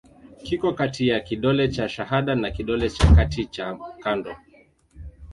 Kiko kati ya kidole cha shahada na kidole cha kati cha kando.